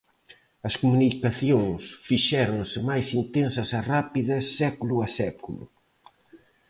As comunicacións fixéronse máis intensas e rápidas século a século.